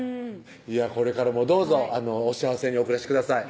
これからもどうぞお幸せにお暮らしください